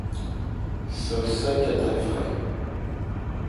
Sols secs à très frais.